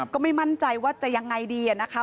ก็ไม่มั่นใจว่าจะยังไงดีนะคะ